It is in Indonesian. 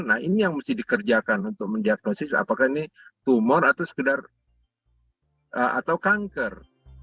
nah ini yang mesti dikerjakan untuk mendiagnosis apakah ini tumor atau sekedar atau kanker